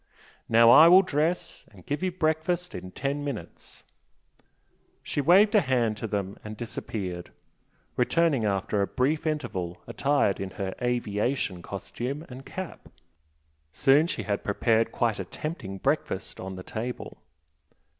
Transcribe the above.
Now I will dress, and give you breakfast in ten minutes." She waved a hand to them and disappeared, returning after a brief interval attired in her "aviation" costume and cap. Soon she had prepared quite a tempting breakfast on the table.